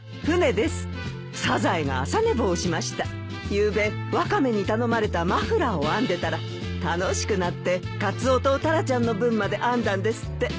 ゆうべワカメに頼まれたマフラーを編んでたら楽しくなってカツオとタラちゃんの分まで編んだんですって。